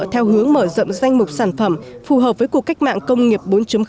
theo hướng mở rộng danh mục sản phẩm phù hợp với cuộc cách mạng công nghiệp bốn